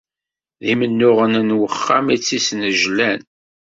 D imennuɣen n wexxam i t-isnejlan.